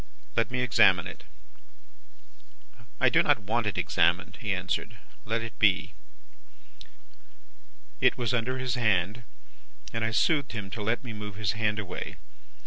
'Let me examine it.' "'I do not want it examined,' he answered; 'let it be.' "It was under his hand, and I soothed him to let me move his hand away.